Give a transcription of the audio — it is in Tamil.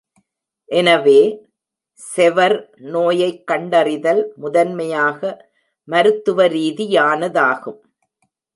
எனவே, செவர் நோயைக் கண்டறிதல், முதன்மையாக மருத்துவ ரீதியானதாகும்.